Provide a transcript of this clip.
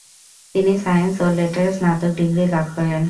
তিনি সায়েন্স ও লেটারে স্নাতক ডিগ্রী লাভ করেন।